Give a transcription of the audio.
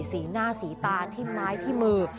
สีหน้าสีตาที่ไม้ที่มือ